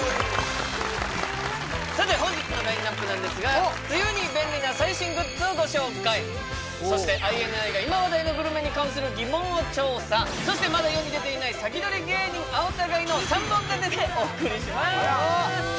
さて本日のラインナップなんですが梅雨に便利な最新グッズをご紹介そしてＩＮＩが今話題のグルメに関する疑問を調査そしてまだ世に出ていないサキドリ芸人青田買いの３本立てでお送りします